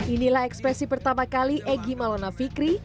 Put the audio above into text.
inilah ekspresi pertama kali egy malona fikri